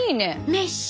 メッシュ。